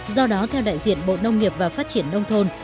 do đó theo đại diện bộ nông nghiệp và phát triển nông thôn